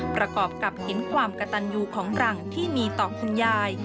ประกอบกับเห็นความกระตันยูของหลังที่มีต่อคุณยาย